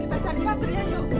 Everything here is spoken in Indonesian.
kita cari satria yuk